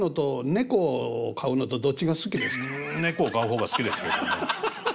猫を飼う方が好きですけどね。